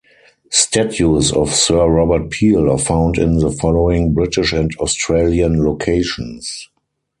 Statues of Sir Robert Peel are found in the following British and Australian locations.